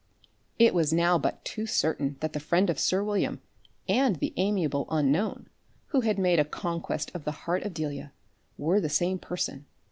It was now but too certain that the friend of sir William, and the amiable unknown, who had made a conquest of the heart of Delia, were the same person.